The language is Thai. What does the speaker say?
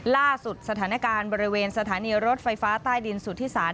ล่าสุดสถานการณ์บริเวณสถานีรถไฟฟ้าใต้ดินสุธิศาล